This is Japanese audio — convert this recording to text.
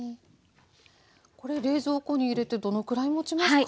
これ冷蔵庫に入れてどのくらいもちますか？